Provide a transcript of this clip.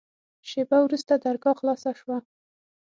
شېبه وروسته درګاه خلاصه سوه.